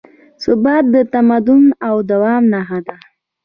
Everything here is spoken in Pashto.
ثبات د تمدن د دوام نښه ده.